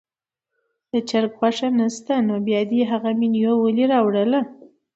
د چرګ غوښه نه شته نو بیا دې هغه مینو ولې راوړله.